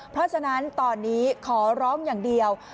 เพราะฉะนั้นตอนนี้ขอร้องอย่างเดียว